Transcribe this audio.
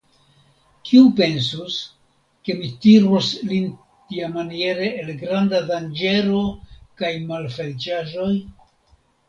Kiu pensus, ke mi tirus lin tiamaniere el granda danĝero kaj malfeliĉaĵoj?